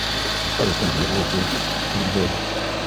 Isukari yasimbuye ubuki nkiburyoheye.